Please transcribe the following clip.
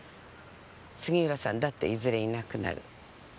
杉浦さんだっていずれいなくなる。